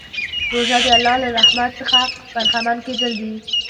روژه د الله له رحمت څخه برخمن کېدل دي.